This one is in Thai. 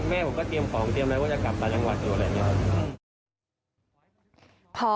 แม่ผมก็เตรียมของเตรียมไว้ว่าจะกลับต่างจังหวัดอยู่อะไรอย่างนี้ครับ